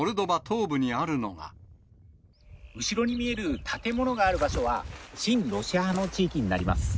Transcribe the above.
後ろに見える建物がある場所は、親ロシア派の地域になります。